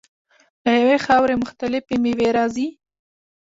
له یوې خاورې مختلفې میوې راځي.